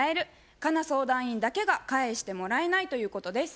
佳奈相談員だけが「返してもらえない」ということです。